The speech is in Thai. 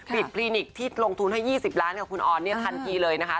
คลินิกที่ลงทุนให้๒๐ล้านกับคุณออนเนี่ยทันทีเลยนะคะ